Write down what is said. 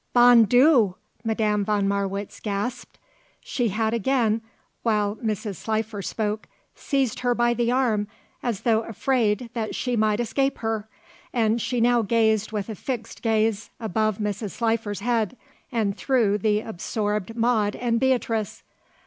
"Bon Dieu!" Madame von Marwitz gasped. She had again, while Mrs. Slifer spoke, seized her by the arm as though afraid that she might escape her and she now gazed with a fixed gaze above Mrs. Slifer's head and through the absorbed Maude and Beatrice.